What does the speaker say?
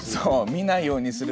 見ないようにするとか。